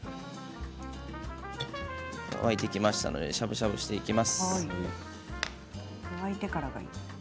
沸いてきましたのでしゃぶしゃぶしていきます。